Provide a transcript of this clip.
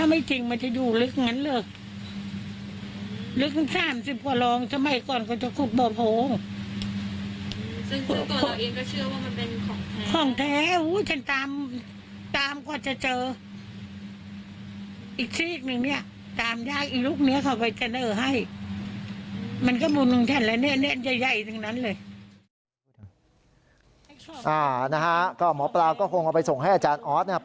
อ่า้นะฮะหมอเปลาก็คงเอาไปส่งให้อาจารย์ออสตรวจนะครับ